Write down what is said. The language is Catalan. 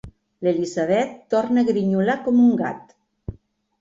L'Elisabet torna a grinyolar com un gat.